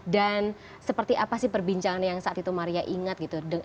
dan seperti apa sih perbincangan yang saat itu maria ingat gitu dalam pertemuan